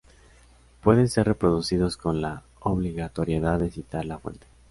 Pueden ser reproducidos con la obligatoriedad de citar la fuente.